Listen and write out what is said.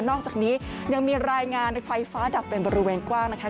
อกจากนี้ยังมีรายงานไฟฟ้าดับเป็นบริเวณกว้างนะคะ